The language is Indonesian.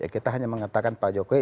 kita hanya mengatakan pak jokowi